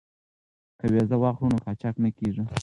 که ویزه واخلو نو قاچاق نه کیږو.